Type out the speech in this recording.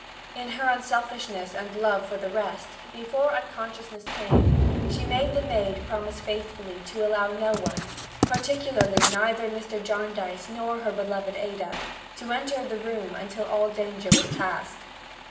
In her unselfishness and love for the rest, before unconsciousness came, she made the maid promise faithfully to allow no one (particularly neither Mr. Jarndyce nor her beloved Ada) to enter the room till all danger was past.